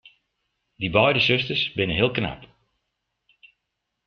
Dy beide susters binne heel knap.